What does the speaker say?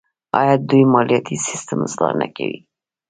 آیا دوی مالیاتي سیستم اصلاح نه کوي؟